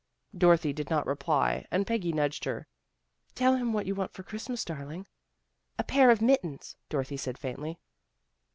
Dorothy did not reply and Peggy nudged her. ' Tell him what you want for Christmas, darling." " A pair of mittens," Dorothy said faintly.